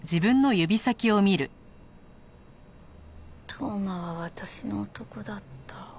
当麻は私の男だった。